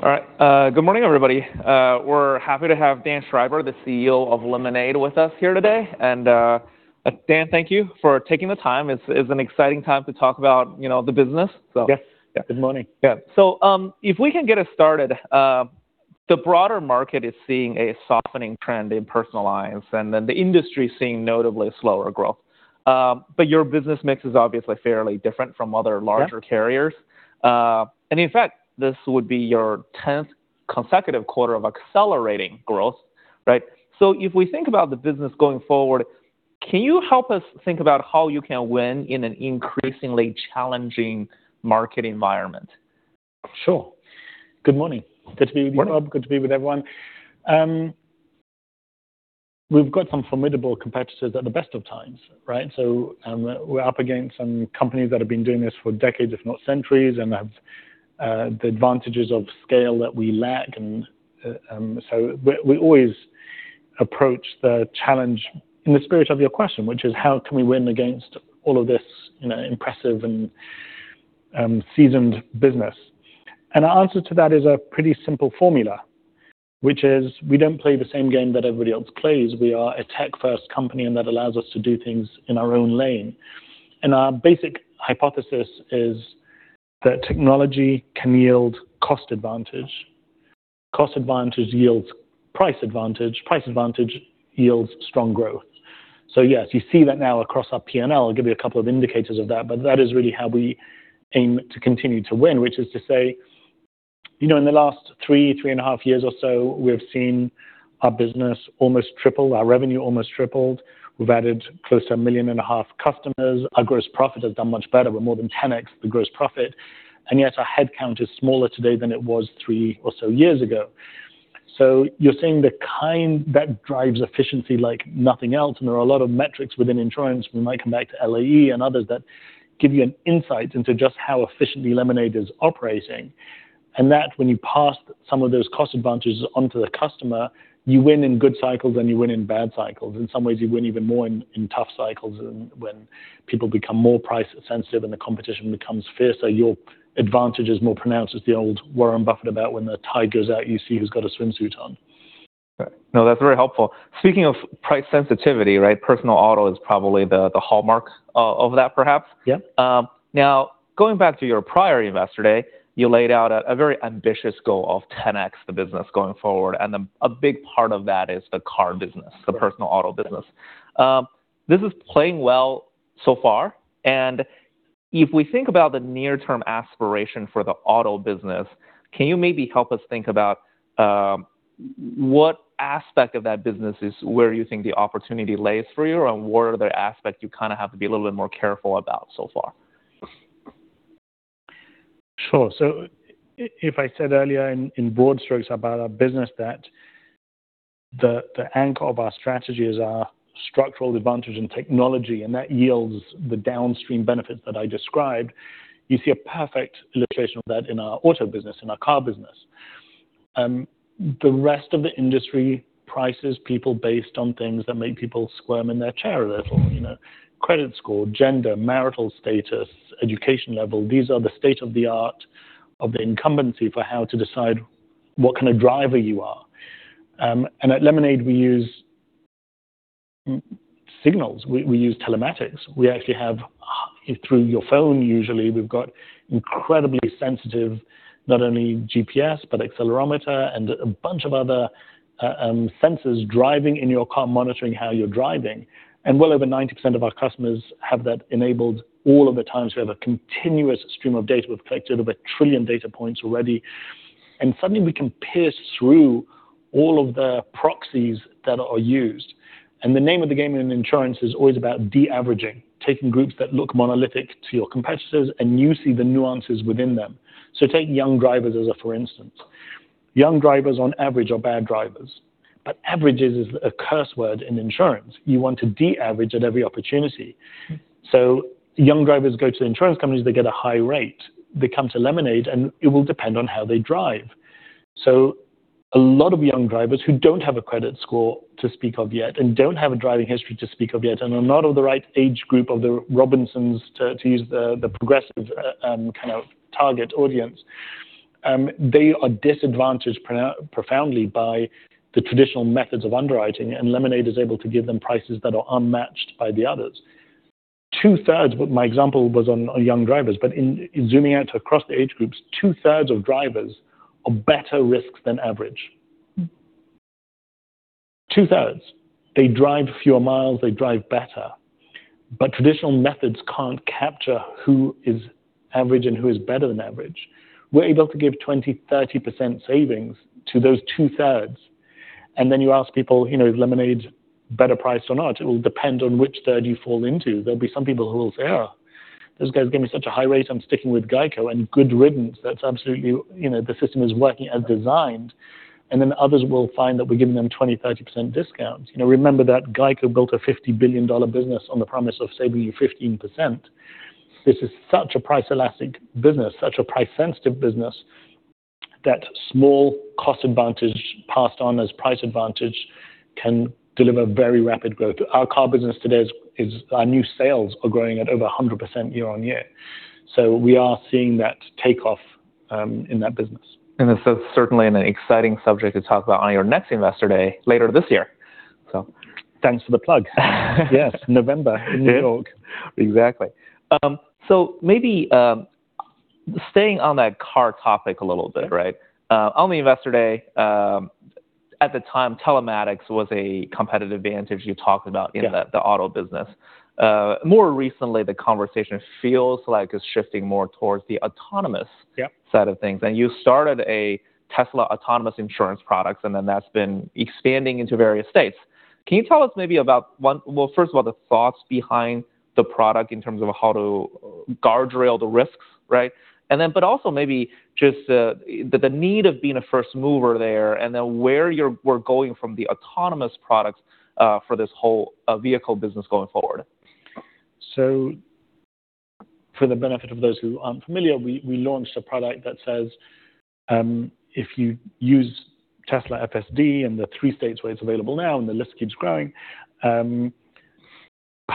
Get the door closed. Good to see you, guys. All right. Good morning, everybody. We're happy to have Dan Schreiber, the CEO of Lemonade, with us here today. Dan, thank you for taking the time. It's an exciting time to talk about the business. Yes. Good morning. Yeah. If we can get us started, the broader market is seeing a softening trend in personal lines, and the industry is seeing notably slower growth. Your business mix is obviously fairly different from other larger- Yeah. carriers. In fact, this would be your 10th consecutive quarter of accelerating growth. Right? If we think about the business going forward, can you help us think about how you can win in an increasingly challenging market environment? Sure. Good morning. Good to be with you, Rob. Good to be with everyone. We've got some formidable competitors at the best of times, right? We're up against some companies that have been doing this for decades, if not centuries, and have the advantages of scale that we lack. We always approach the challenge in the spirit of your question, which is how can we win against all of this impressive and seasoned business? Our answer to that is a pretty simple formula, which is we don't play the same game that everybody else plays. We are a tech-first company that allows us to do things in our own lane. Our basic hypothesis is that technology can yield a cost advantage. Cost advantage yields price advantage. Price advantage yields strong growth. Yes, you see that now across our P&L. I'll give you a couple of indicators of that is really how we aim to continue to win, which is to say, in the last three and a half years or so, we've seen our business almost triple, our revenue almost tripled. We've added close to 1.5 million customers. Our gross profit has done much better. We're more than 10X the gross profit. Yet our head count is smaller today than it was three or so years ago. You're seeing the kind that drives efficiency like nothing else. There are a lot of metrics within insurance; we might come back to LAE and others that give you an insight into just how efficiently Lemonade is operating. That's when you pass some of those cost advantages on to the customer, you win in good cycles, and you win in bad cycles. In some ways, you win even more in tough cycles, and when people become more price sensitive, and the competition becomes fiercer, your advantage is more pronounced, as the old Warren Buffett about when the tide goes out, you see who's got a swimsuit on. Right. No, that's very helpful. Speaking of price sensitivity, personal auto is probably the hallmark of that, perhaps. Yeah. Going back to your prior Investor Day, you laid out a very ambitious goal of 10X the business going forward. A big part of that is the car business, the personal auto business. This is playing well so far, and if we think about the near-term aspiration for the auto business, can you maybe help us think about what aspect of that business is where you think the opportunity lays for you, and where are the aspects you kind of have to be a little bit more careful about so far? Sure. If I said earlier in broad strokes about our business that the anchor of our strategy is our structural advantage in technology, and that yields the downstream benefits that I described, you see a perfect illustration of that in our auto business, in our car business. The rest of the industry prices people based on things that make people squirm in their chairs a little. Credit score, gender, marital status, and education level. These are the state of the art of the incumbency for how to decide what kind of driver you are. At Lemonade, we use signals. We use telematics. We actually have, through your phone,, usually, we've got incredibly sensitive not only GPS, but accelerometer and a bunch of other sensors driving in your car, monitoring how you're driving. Well over 90% of our customers have that enabled all of the time, we have a continuous stream of data. We've collected over a trillion data points already. Suddenly, we can pierce through all of the proxies that are used. The name of the game in insurance is always about de-averaging, taking groups that look monolithic to your competitors, and you see the nuances within them. Take young drivers as a for instance. Young drivers, on average, are bad drivers, but averages is a curse word in insurance. You want to de-average at every opportunity. Young drivers go to insurance companies, they get a high rate. They come to Lemonade, and it will depend on how they drive. A lot of young drivers who don't have a credit score to speak of yet, and don't have a driving history to speak of yet, and are not of the right age group of the Robinsons to use the Progressive kind of target audience they are disadvantaged profoundly by the traditional methods of underwriting, and Lemonade is able to give them prices that are unmatched by the others. 2/3, but my example was on young drivers, but in zooming out across the age groups, 2/3 of drivers are better risks than average. 2/3. They drive fewer miles, they drive better. Traditional methods can't capture who is average and who is better than average. We're able to give 20%, 30% savings to those 2/3. Then you ask people, is Lemonade better priced or not? It will depend on which third you fall into. There'll be some people who will say, "Those guys gave me such a high rate, I'm sticking with GEICO" and good riddance. The system is working as designed. Then others will find that we're giving them 20%, 30% discounts. Remember that GEICO built a $50 billion business on the promise of saving you 15%. This is such a price-elastic business, such a price-sensitive business. That small cost advantage passed on as a price advantage can deliver very rapid growth. Our car business today is our new sales are growing at over 100% year-on-year. We are seeing that take off in that business. It's certainly an exciting subject to talk about on your next Investor Day later this year. Thanks for the plug. Yes, November in New York. Exactly. Maybe staying on that car topic a little bit. On the Investor Day, at the time, telematics was a competitive advantage you talked about. Yeah. In the auto business. More recently, the conversation feels like it's shifting more towards the autonomous. Yep. Side of things. You started a Tesla autonomous insurance product, then that's been expanding into various states. Can you tell us, maybe about, well, first of all, the thoughts behind the product in terms of how to guardrail the risks? Also, maybe just the need of being a first mover there, then where you're going from the autonomous products for this whole vehicle business going forward. For the benefit of those who aren't familiar, we launched a product that says if you use Tesla FSD in the three states where it's available now, and the list keeps growing,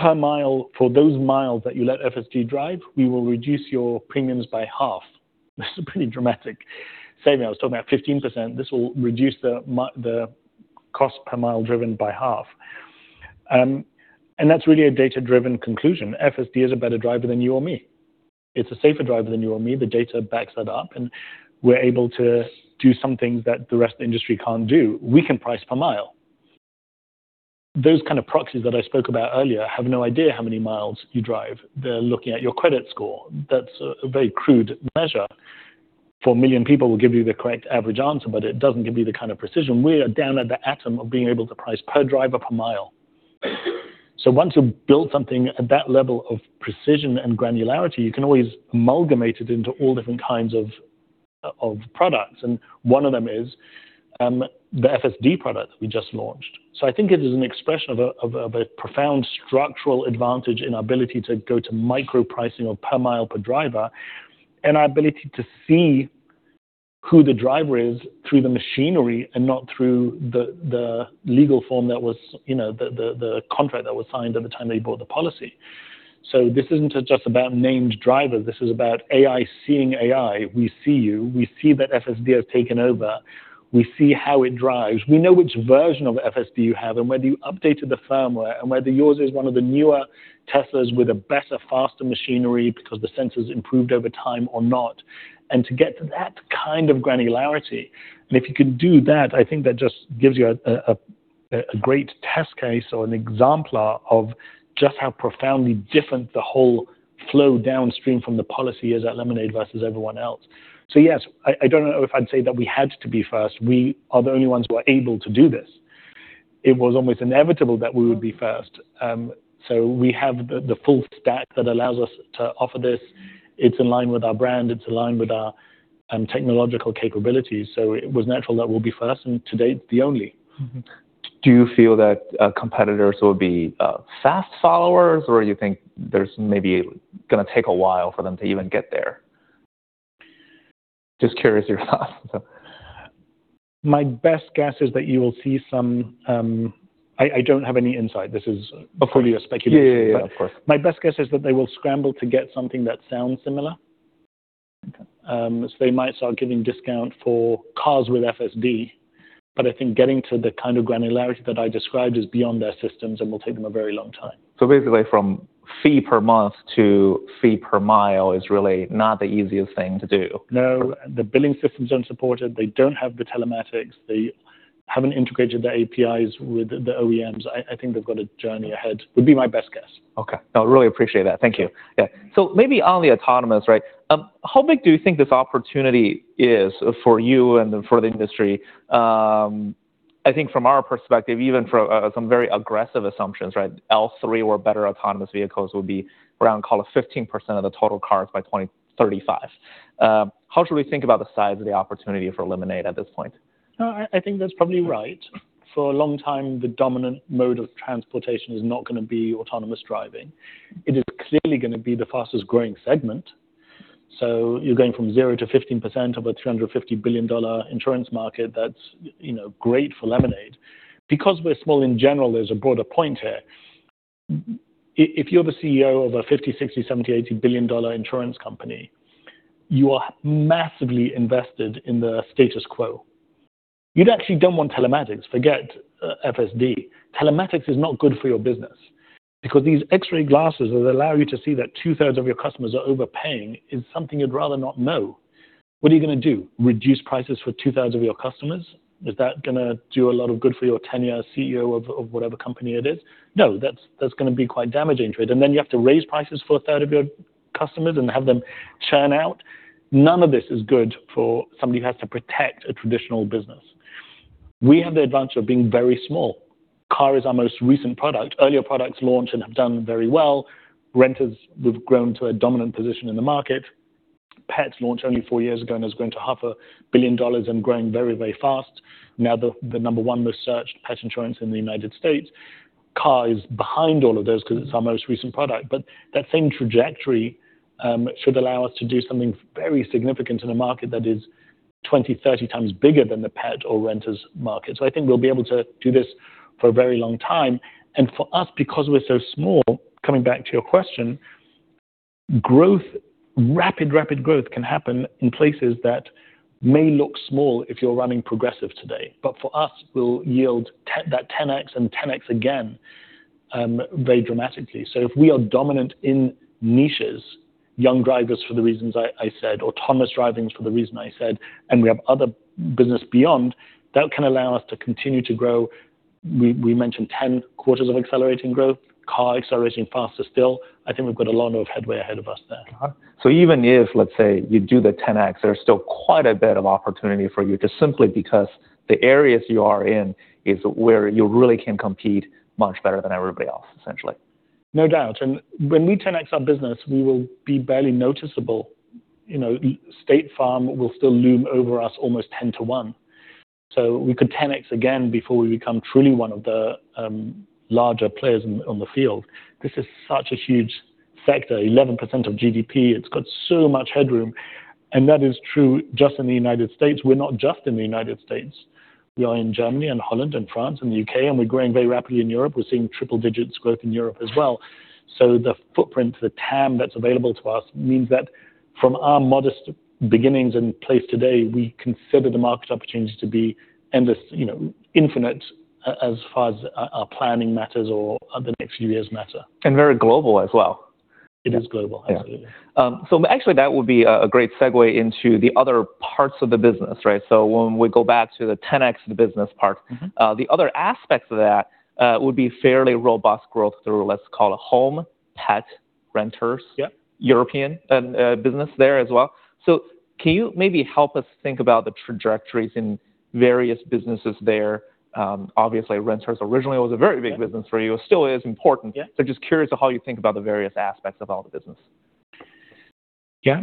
per mile for those miles that you let FSD drive, we will reduce your premiums by half. This is a pretty dramatic saving. I was talking about 15%. This will reduce the cost per mile driven by half. That's really a data-driven conclusion. FSD is a better driver than you or me. It's a safer driver than you or me. The data backs that up, and we're able to do some things that the rest of the industry can't do. We can price per mile. Those kinds of proxies that I spoke about earlier have no idea how many miles you drive. They're looking at your credit score. That's a very crude measure. 4 million people will give you the correct average answer, but it doesn't give you the kind of precision. We are down at the atom of being able to price per driver per mile. Once you've built something at that level of precision and granularity, you can always amalgamate it into all different kinds of products, and one of them is the FSD product we just launched. I think it is an expression of a profound structural advantage in our ability to go to micro pricing of per mile per driver and our ability to see who the driver is through the machinery and not through the legal form that was the contract that was signed at the time they bought the policy. This isn't just about named drivers. This is about AI seeing AI. We see you. We see that FSD has taken over. We see how it drives. We know which version of FSD you have, and whether you updated the firmware, and whether yours is one of the newer Teslas with better, faster machinery because the sensors improved over time or not. To get to that kind of granularity, and if you can do that, I think that just gives you a great test case or an exemplar of just how profoundly different the whole flow downstream from the policy is at Lemonade versus everyone else. Yes, I don't know if I'd say that we had to be first. We are the only ones who are able to do this. It was almost inevitable that we would be first. We have the full stack that allows us to offer this. It's in line with our brand. It's aligned with our technological capabilities. It was natural that we'll be first and to date, the only. Do you feel that competitors will be fast followers, or do you think there's maybe going to take a while for them to even get there? Just curious about your thoughts. My best guess is that you will see some. I don't have any insight. Of course. Purely a speculation. Yeah. Of course. My best guess is that they will scramble to get something that sounds similar. Okay. They might start giving discounts for cars with FSD, but I think getting to the kind of granularity that I described is beyond their systems and will take them a very long time. Basically, from fee per month to fee per mile is really not the easiest thing to do. No, the billing systems don't support it. They don't have the telematics. They haven't integrated their APIs with the OEMs. I think they've got a journey ahead, would be my best guess. Okay. No, really appreciate that. Thank you. Yeah. Maybe on the autonomous, how big do you think this opportunity is for you and for the industry? I think from our perspective, even for some very aggressive assumptions, L3 or better autonomous vehicles will be around, call it 15% of the total cars by 2035. How should we think about the size of the opportunity for Lemonade at this point? I think that's probably right. For a long time, the dominant mode of transportation is not going to be autonomous driving. It is clearly going to be the fastest-growing segment. You're going from zero to 15% of a $350 billion insurance market. That's great for Lemonade. We're small in general; there's a broader point here. If you're the CEO of a $50 billion, $60 billion, $70 billion, $80 billion insurance company, you are massively invested in the status quo. You'd actually don't want telematics. Forget FSD. Telematics is not good for your business because these X-ray glasses that allow you to see that 2/3 of your customers are overpaying is something you'd rather not know. What are you going to do? Reduce prices for 2/3 of your customers? Is that going to do a lot of good for your tenure as CEO of whatever company it is? No, that's going to be quite damaging to it. Then you have to raise prices for a third of your customers and have them churn out. None of this is good for somebody who has to protect a traditional business. We have the advantage of being very small. Car is our most recent product. Earlier products launched and have done very well. Renters, we've grown to a dominant position in the market. Pets launched only four years ago and has grown to half a billion dollars and is growing very fast. Now, the number one researched pet insurance in the United States. Car is behind all of those because it's our most recent product. That same trajectory should allow us to do something very significant in a market that is 20x, 30x bigger than the pet or renters market. I think we'll be able to do this for a very long time. For us, because we're so small, coming back to your question, rapid growth can happen in places that may look small if you're running Progressive today. For us, we will yield that 10X and 10X again very dramatically. If we are dominant in niches, young drivers for the reasons I said, autonomous driving for the reasons I said, and we have other business beyond, that can allow us to continue to grow. We mentioned 10 quarters of accelerating growth, car accelerating faster still. I think we've got a lot of headway ahead of us there. Got it. Even if, let's say, you do the 10X, there's still quite a bit of opportunity for you just simply because the areas you are in is where you really can compete much better than everybody else, essentially. No doubt. When we 10X our business, we will be barely noticeable. State Farm will still loom over us almost 10:1. We could 10X again before we become truly one of the larger players on the field. This is such a huge sector, 11% of GDP. It's got so much headroom, and that is true just in the United States. We're not just in the United States. We are in Germany and Holland and France, and the UK, and we're growing very rapidly in Europe. We're seeing triple-digit growth in Europe as well. The footprint, the TAM that's available to us, means that from our modest beginnings and place today, we consider the market opportunity to be endless, infinite as far as our planning matters or the next few years matter. Very global as well. It is global. Absolutely. Yeah. Actually, that would be a great segue into the other parts of the business, right? When we go back to the 10X business part. The other aspects of that would be fairly robust growth through, let's call it, home, pet, renters. Yeah. European business there as well. Can you maybe help us think about the trajectories in various businesses there? Obviously, renters originally was a very big business for you. Yeah. Still is important. Yeah. Just curious how you think about the various aspects of all the business. Yeah.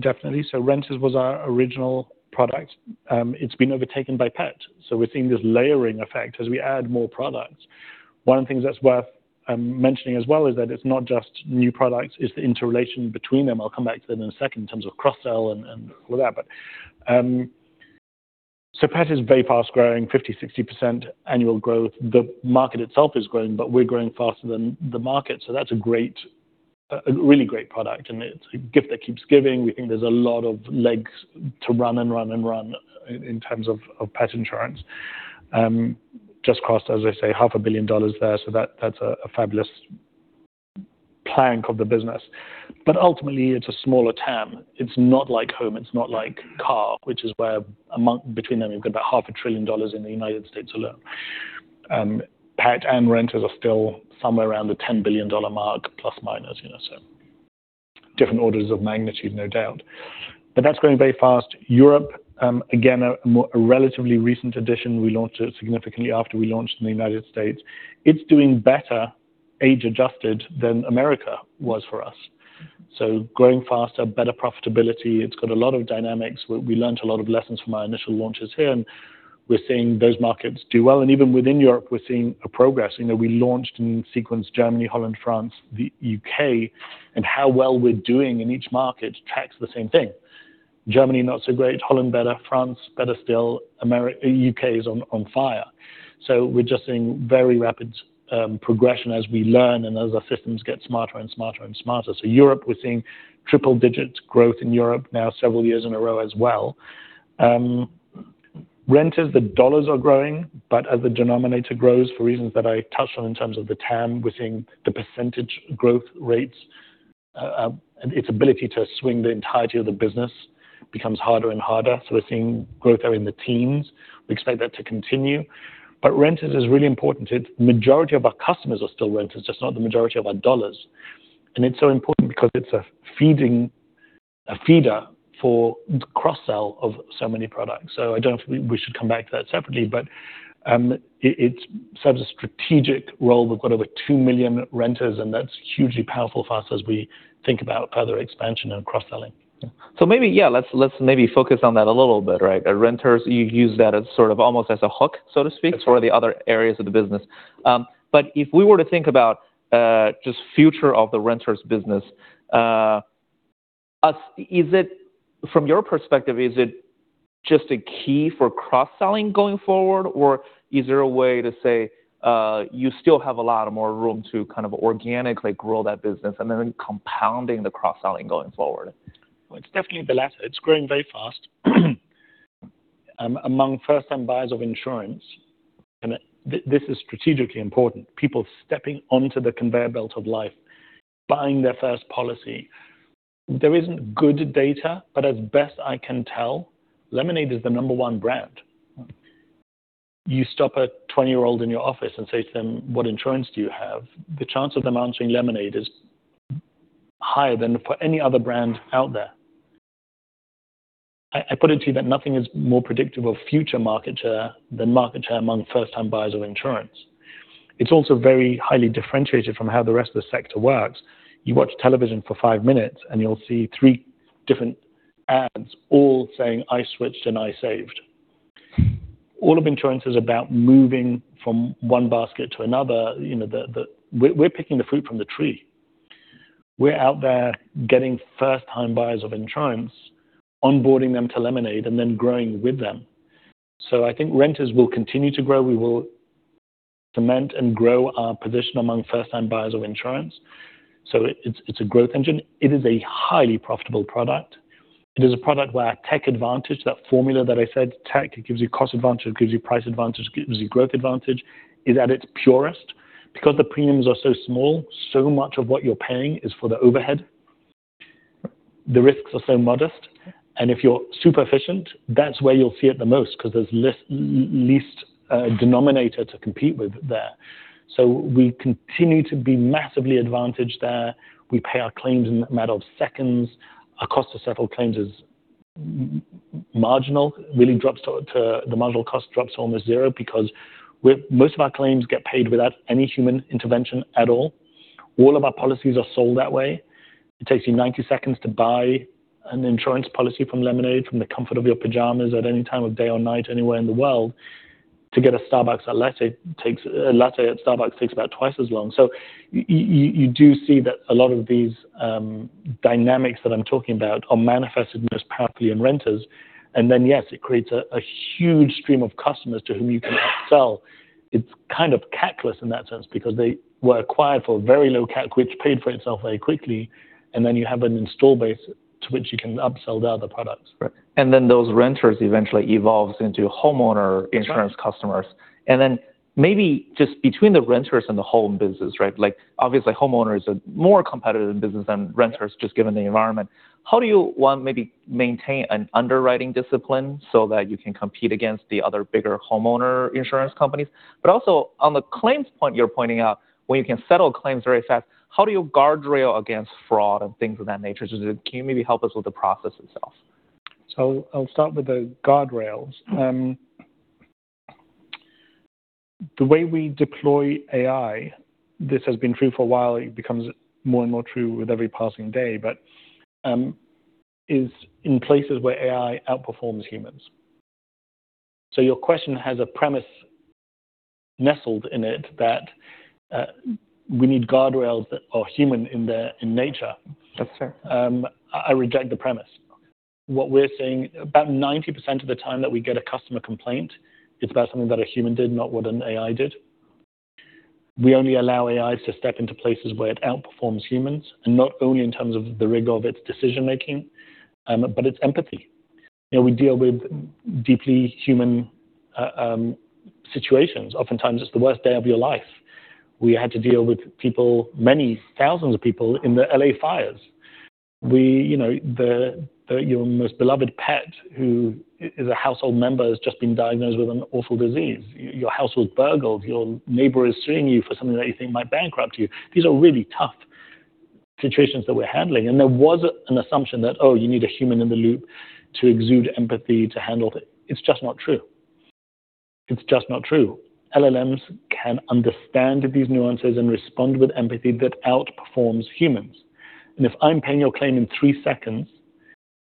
Definitely. Renters was our original product. It's been overtaken by pet, we're seeing this layering effect as we add more products. One of the things that's worth mentioning as well is that it's not just new products, it's the interrelation between them. I'll come back to that in a second in terms of cross-sell and all that. Pet is very fast-growing, 50%, 60% annual-growth. The market itself is growing; we're growing faster than the market. That's a really great product, and it's a gift that keeps giving. We think there's a lot of legs to run and run-and-run in terms of pet insurance. Just crossed, as I say, half a billion dollars there, that's a fabulous plank of the business. Ultimately, it's a smaller TAM. It's not like home, it's not like car, which is where between them, you've got about $500,000,000,000 in the U.S. alone. Pet and renters are still somewhere around the $10± billion mark. Different orders of magnitude, no doubt. That's growing very fast. Europe, again, a relatively recent addition. We launched it significantly after we launched in the United States. It's doing better age-adjusted than America was for us. Growing faster, better profitability. It's got a lot of dynamics. We learnt a lot of lessons from our initial launches here, we're seeing those markets do well. Even within Europe, we're seeing progress. We launched in sequence Germany, Holland, France, the U.K., and how well we're doing in each market tracks the same thing. Germany, not so great. Holland, better. France, better still. U.K. is on fire. We're just seeing very rapid progression as we learn and as our systems get smarter and smarter and smarter. Europe, we're seeing triple-digit growth in Europe now, several years in a row as well. Renters, the dollars are growing, but as the denominator grows for reasons that I touched on in terms of the TAM, we're seeing the percentage growth rates; its ability to swing the entirety of the business becomes harder and harder. We're seeing growth there in the teens. We expect that to continue. Renters is really important. The majority of our customers are still renters, just not the majority of our dollars. It's so important because it's a feeder for the cross-sell of so many products. I don't know if we should come back to that separately, but it serves a strategic role. We've got over 2 million renters, that's hugely powerful for us as we think about other expansion and cross-selling. Maybe, yeah, let's maybe focus on that a little bit, right? Renters, you use that as sort of almost as a hook, so to speak. Yes. For the other areas of the business. If we were to think about just the future of the renters' business, from your perspective, is it just a key for cross-selling going forward, or is there a way to say you still have a lot of more room to kind of organically grow that business and then compounding the cross-selling going forward? Well, it's definitely the latter. It's growing very fast among first-time buyers of insurance. This is strategically important, people stepping onto the conveyor belt of life, buying their first policy. There isn't good data. As best I can tell, Lemonade is the number one brand. You stop a 20-year-old in your office and say to them, "What insurance do you have?" The chance of them answering Lemonade is higher than for any other brand out there. I put it to you that nothing is more predictive of future market share than market share among first-time buyers of insurance. It's also very highly differentiated from how the rest of the sector works. You watch television for five minutes, you'll see three different ads all saying, "I switched, and I saved." All of insurance is about moving from one basket to another. We're picking the fruit from the tree. We're out there getting first-time buyers of insurance, onboarding them to Lemonade, then growing with them. I think renters will continue to grow. We will cement and grow our position among first-time buyers of insurance. It's a growth engine. It is a highly profitable product. It is a product where tech advantage, that formula that I said, tech, it gives you cost advantage, it gives you price advantage, it gives you growth advantage, is at its purest. Because the premiums are so small, so much of what you're paying is for the overhead. The risks are so modest. If you're super efficient, that's where you'll see it the most, because there's least denominator to compete with there. We continue to be massively advantaged there. We pay our claims in a matter of seconds. Our cost to settle claims is marginal. The marginal cost drops to almost zero because most of our claims get paid without any human intervention at all. All of our policies are sold that way. It takes you 90 seconds to buy an insurance policy from Lemonade, from the comfort of your pajamas at any time of day or night, anywhere in the world. To get a latte at Starbucks takes about twice as long. You do see that a lot of these dynamics that I'm talking about are manifested most powerfully in renters. Yes, it creates a huge stream of customers to whom you can upsell. It's kind of CAC-less in that sense because they were acquired for very low CAC, which paid for itself very quickly, and you have an install base to which you can upsell the other products. Right. Those renters eventually evolve into homeowners insurance customers. That's right. Maybe just between the renters and the home business, obviously, homeowners are more competitive business than renters, just given the environment. How do you want maybe maintain an underwriting discipline so that you can compete against the other bigger homeowners insurance companies? On the claims point you're pointing out, when you can settle claims very fast, how do you guardrail against fraud and things of that nature? Can you maybe help us with the process itself? I'll start with the guardrails. The way we deploy AI, this has been true for a while; it becomes more and more true with every passing day, but is in places where AI outperforms humans. Your question has a premise nestled in it that we need guardrails that are human in nature. That's fair. I reject the premise. What we're seeing, about 90% of the time that we get a customer complaint, it's about something that a human did, not what an AI did. We only allow AIs to step into places where it outperforms humans, not only in terms of the rigor of its decision-making, but its empathy. We deal with deeply human situations. Oftentimes, it's the worst day of your life. We had to deal with people, many thousands of people, in the L.A. fires. Your most beloved pet, who is a household member, has just been diagnosed with an awful disease. Your house was burgled. Your neighbor is suing you for something that you think might bankrupt you. These are really tough situations that we're handling. There was an assumption that, oh, you need a human in the loop to exude empathy, to handle it. It's just not true. LLMs can understand these nuances and respond with empathy that outperforms humans. If I'm paying your claim in three seconds,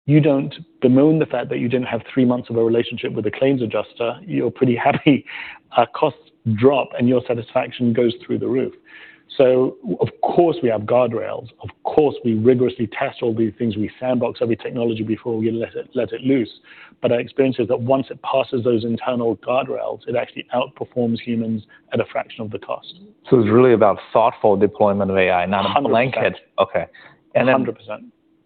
you don't bemoan the fact that you didn't have three months of a relationship with a claims adjuster. You're pretty happy. Costs drop, and your satisfaction goes through the roof. Of course, we have guardrails. Of course, we rigorously test all these things. We sandbox every technology before we let it loose. Our experience is that once it passes those internal guardrails, it actually outperforms humans at a fraction of the cost. It's really about thoughtful deployment of AI. 100%. Okay. 100%.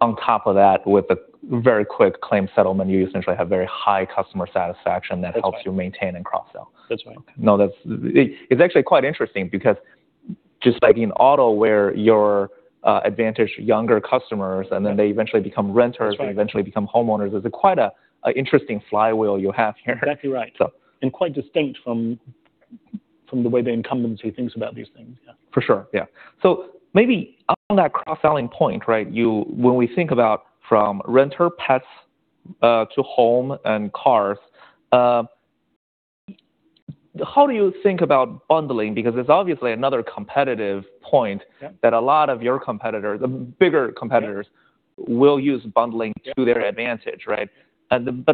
On top of that, with a very quick claim settlement, you essentially have very high customer satisfaction that helps you maintain and cross-sell. That's right. It's actually quite interesting because just like in auto, where you advantage younger customers, and then they eventually become renters- That's right. eventually become homeowners. There's quite an interesting flywheel you have here. Exactly right. So. Quite distinct from the way the incumbency thinks about these things. Yeah. For sure. Yeah. Maybe on that cross-selling point, when we think about from renter, pets to home and cars, how do you think about bundling? There's obviously another competitive point. Yeah. That lot of your competitors, the bigger competitors. Yeah. Will use bundling to their advantage, right?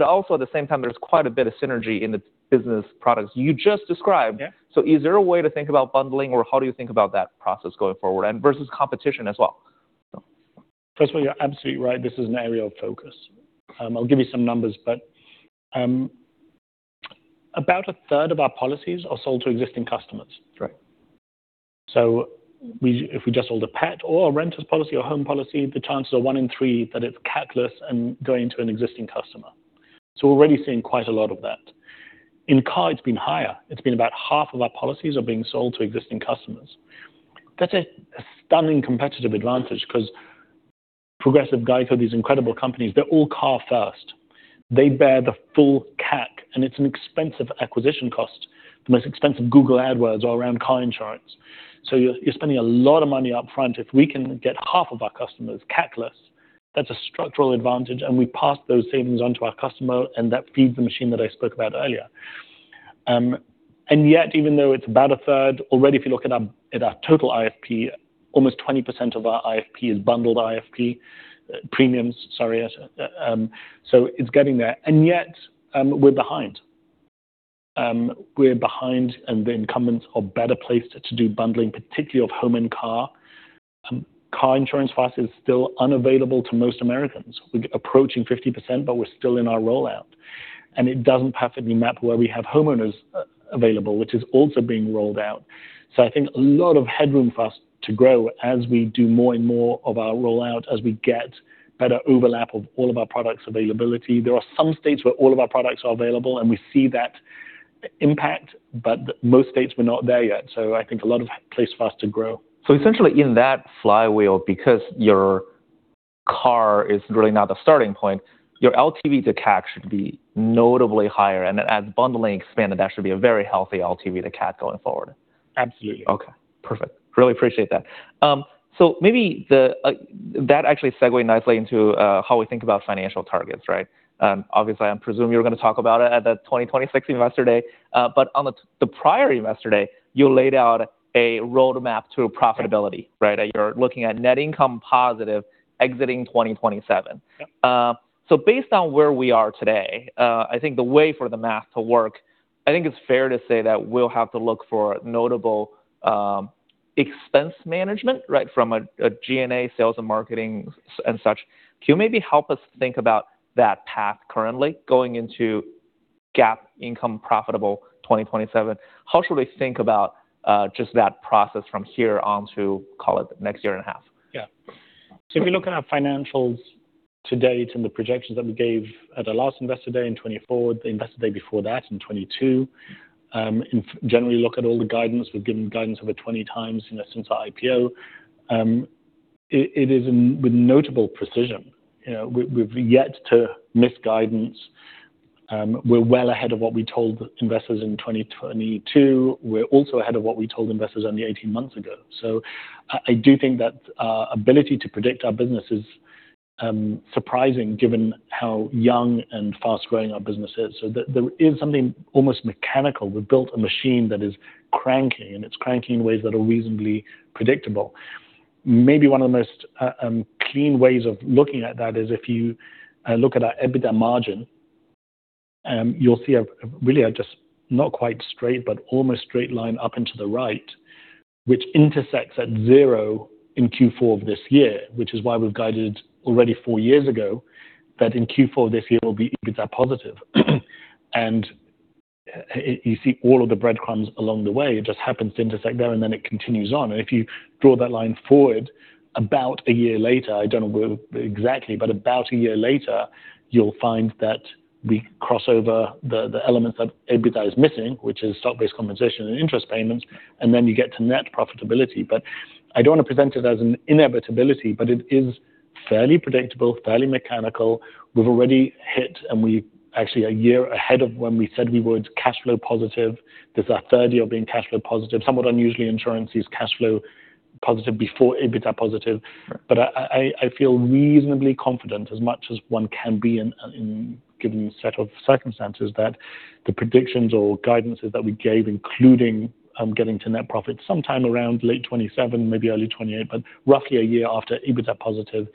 Also, at the same time, there's quite a bit of synergy in the business products you just described. Yeah. Is there a way to think about bundling, or how do you think about that process going forward, versus competition as well? First of all, you're absolutely right. This is an area of focus. I'll give you some numbers, but about a third of our policies are sold to existing customers. Right. If we just sold a pet or a renters policy, or a home policy, the chances are one in three that it's CAC-less and going to an existing customer. We're already seeing quite a lot of that. In car, it's been higher. It's been about half of our policies are being sold to existing customers. That's a stunning competitive advantage because Progressive, GEICO, these incredible companies, they're all car-first. They bear the full CAC, and it's an expensive acquisition cost. The most expensive Google AdWords are around car insurance. You're spending a lot of money up front. If we can get half of our customers CAC-less, that's a structural advantage, and we pass those savings onto our customers, and that feeds the machine that I spoke about earlier. Yet, even though it's about a third already, if you look at our total IFP, almost 20% of our IFP is bundled IFP premiums. It's getting there, and yet we're behind. We're behind, and the incumbents are better placed to do bundling, particularly of home and car. Car insurance for us is still unavailable to most Americans. We're approaching 50%, but we're still in our rollout, and it doesn't perfectly map where we have homeowners available, which is also being rolled out. I think a lot of headroom for us to grow as we do more and more of our rollout, as we get better overlap of all of our products' availability. There are some states where all of our products are available, and we see that impact. Most states, we're not there yet. I think a lot of place for us to grow. Essentially in that flywheel, because your car is really now the starting point, your LTV to CAC should be notably higher. Then, as bundling expanded, that should be a very healthy LTV to CAC going forward. Absolutely. Okay, perfect. Really appreciate that. Maybe that actually segued nicely into how we think about financial targets, right? Obviously, I presume you're going to talk about it at the 2026 Investor Day. On the prior Investor Day, you laid out a roadmap to profitability, right? You're looking at net income positive exiting 2027. Yep. Based on where we are today, I think the way for the math to work, I think it's fair to say that we'll have to look for notable expense management, right, from G&A, sales, and marketing, and such. Can you maybe help us think about that path currently going into GAAP income profitable in 2027? How should we think about just that process from here on to, call it, the next year and a half? If you look at our financials to date and the projections that we gave at our last Investor Day in 2024, the Investor Day before that in 2022. Generally, look at all the guidance. We've given guidance over 20 times since our IPO. It is with notable precision. We've yet to miss guidance. We're well ahead of what we told investors in 2022. We're also ahead of what we told investors only 18 months ago. I do think that our ability to predict our business is surprising, given how young and fast-growing our business is. There is something almost mechanical. We've built a machine that is cranking, and it's cranking in ways that are reasonably predictable. Maybe one of the most clean ways of looking at that is if you look at our EBITDA margin. You'll see a really, just not quite straight, but almost straight line up and to the right, which intersects at zero in Q4 of this year, which is why we've guided already four years ago that in Q4 of this year, we'll be EBITDA positive. You see all of the breadcrumbs along the way. It just happens to intersect there, and then it continues on. If you draw that line forward about a year later, I don't know where exactly, but about a year later, you'll find that we cross over the elements that EBITDA is missing, which is stock-based compensation and interest payments, and then you get to net profitability. I don't want to present it as an inevitability, but it is fairly predictable, fairly mechanical. We've already hit, and we are actually a year ahead of when we said we would, cash flow positive. This is our third year of being cash flow positive. Somewhat unusually, insurance is cash flow positive before EBITDA is positive. Sure. I feel reasonably confident, as much as one can be in a given set of circumstances, that the predictions or guidance that we gave, including getting to net profit sometime around late 2027, maybe early 2028, roughly a year after EBITDA positive,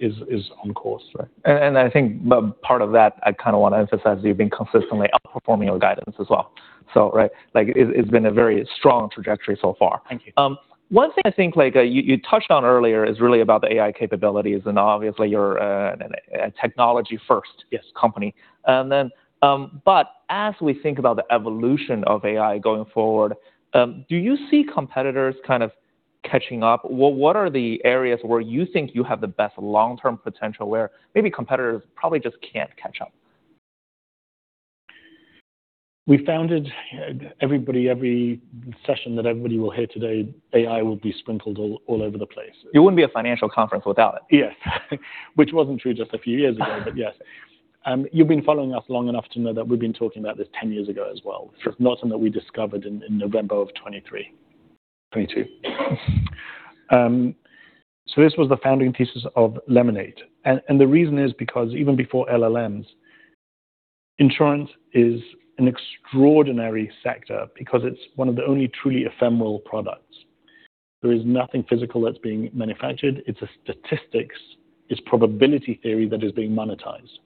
is on course. Right. I think part of that, I kind of want to emphasize, you've been consistently outperforming your guidance as well. It's been a very strong trajectory so far. Thank you. One thing I think you touched on earlier is really about the AI capabilities, and obviously, you're a technology-first- Yes. Company. As we think about the evolution of AI going forward, do you see competitors kind of catching up? What are the areas where you think you have the best long-term potential, where maybe competitors probably just can't catch up? Everybody, every session that everybody will hear today, AI will be sprinkled all over the place. It wouldn't be a financial conference without it. Yes. Which wasn't true just a few years ago, but yes. You've been following us long enough to know that we've been talking about this 10 years ago as well. It's not something we discovered in November of 2023. 2022. This was the founding thesis of Lemonade. The reason is because even before LLMs, insurance is an extraordinary sector because it's one of the only truly ephemeral products. There is nothing physical that's being manufactured. It's a statistics, it's probability theory that is being monetized.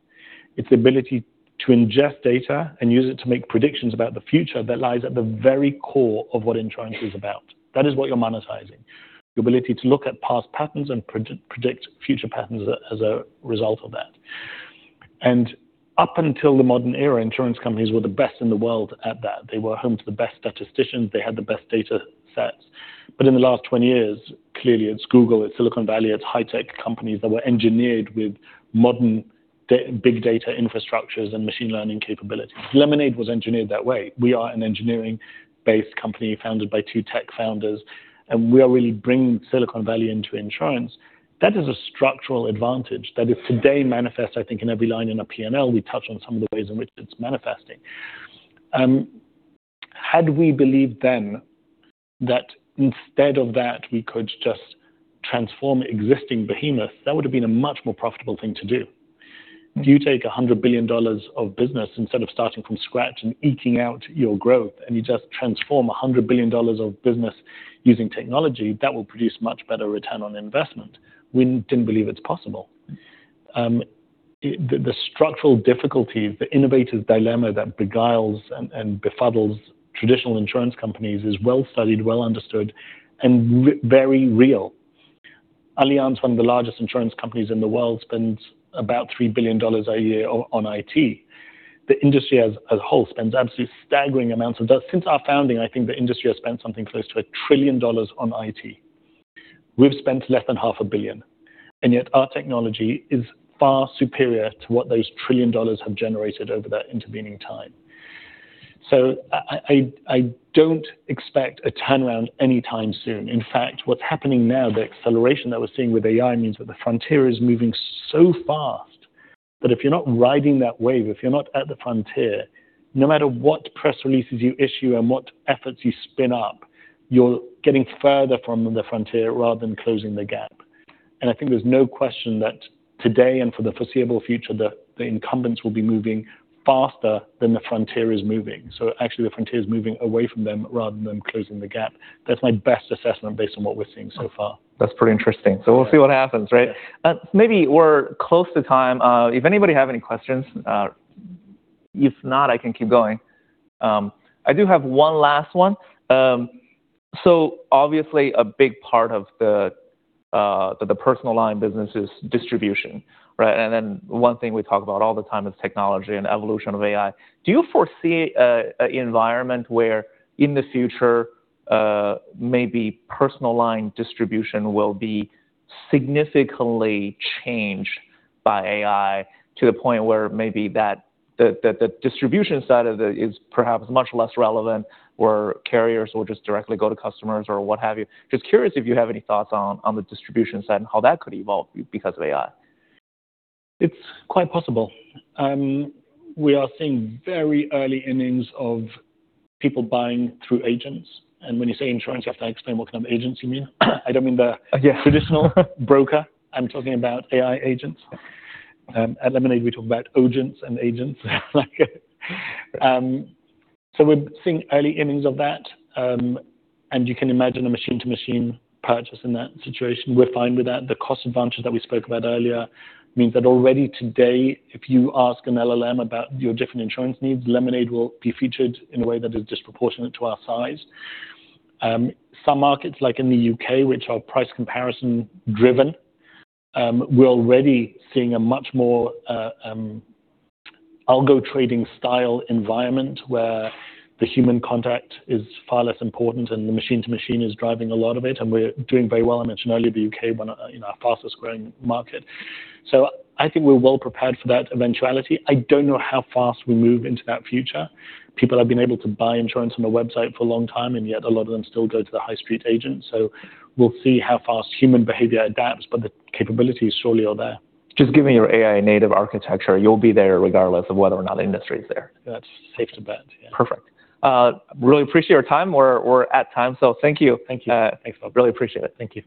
It's the ability to ingest data and use it to make predictions about the future that lies at the very core of what insurance is about. That is what you're monetizing: the ability to look at past patterns and predict future patterns as a result of that. Up until the modern era, insurance companies were the best in the world at that. They were home to the best statisticians. They had the best data sets. In the last 20 years, clearly, it's Google, it's Silicon Valley, it's high-tech companies that were engineered with modern big data infrastructures and machine learning capabilities. Lemonade was engineered that way. We are an engineering-based company founded by two tech founders, and we are really bringing Silicon Valley into insurance. That is a structural advantage that today manifests, I think, in every line in our P&L. We touch on some of the ways in which it's manifesting. Had we believed then that instead of that, we could just transform existing behemoths, that would've been a much more profitable thing to do. If you take $100 billion of business instead of starting from scratch and eking out your growth, and you just transform $100 billion of business using technology, that will produce a much better return on investment. We didn't believe it's possible. The structural difficulty, the innovator's dilemma that beguiles and befuddles traditional insurance companies, is well-studied, well-understood, and very real. Allianz, one of the largest insurance companies in the world, spends about $3 billion a year on IT. The industry as a whole spends absolutely staggering amounts of. Since our founding, I think the industry has spent something close to $1 trillion on IT. We've spent less than half a billion, and yet our technology is far superior to what those $1 trillion have generated over that intervening time. I don't expect a turnaround anytime soon. In fact, what's happening now, the acceleration that we're seeing with AI means that the frontier is moving so fast that if you're not riding that wave, if you're not at the frontier, no matter what press releases you issue and what efforts you spin up, you're getting further from the frontier rather than closing the gap. I think there's no question that today and for the foreseeable future, the incumbents will be moving faster than the frontier is moving. Actually, the frontier is moving away from them rather than closing the gap. That's my best assessment based on what we're seeing so far. That's pretty interesting. We'll see what happens, right? Yeah. Maybe we're close to time. If anybody has any questions. If not, I can keep going. I do have one last one. Obviously, a big part of the personal line business is distribution, right? One thing we talk about all the time is technology and the evolution of AI. Do you foresee an environment where, in the future, maybe personal line distribution will be significantly changed by AI to the point where maybe the distribution side of it is perhaps much less relevant, or carriers will just directly go to customers, or what have you? Just curious if you have any thoughts on the distribution side and how that could evolve because of AI? It's quite possible. We are seeing very early innings of people buying through agents, and when you say insurance, you have to explain what kind of agents you mean. I don't mean the- Yeah. Traditional broker. I'm talking about AI agents. At Lemonade, we talk about ogents and agents. Right. We're seeing early innings of that. You can imagine a machine-to-machine purchase in that situation. We're fine with that. The cost advantage that we spoke about earlier means that already today, if you ask an LLM about your different insurance needs, Lemonade will be featured in a way that is disproportionate to our size. Some markets, like in the U.K., which are price comparison driven, we're already seeing a much more algo trading style environment where the human contact is far less important and the machine-to-machine is driving a lot of it, and we're doing very well. I mentioned earlier the U.K., one of our fastest-growing markets. I think we're well prepared for that eventuality. I don't know how fast we'll move into that future. People have been able to buy insurance on a website for a long time, and yet a lot of them still go to the high street agent. We'll see how fast human behavior adapts, but the capabilities surely are there. Just given your AI native architecture, you'll be there regardless of whether or not the industry is there. That's safe to bet. Yeah. Perfect. Really appreciate your time. We're at the time, so thank you. Thank you. Thanks, Phil. Really appreciate it. Thank you.